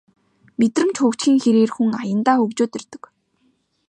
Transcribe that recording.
Мэдрэмж хөгжихийн хэрээр хүн аяндаа хөгжөөд ирдэг